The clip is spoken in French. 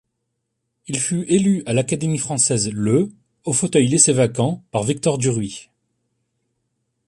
Il fut élu à l'Académie française le au fauteuil laissé vacant par Victor Duruy.